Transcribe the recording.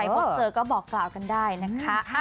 พบเจอก็บอกกล่าวกันได้นะคะ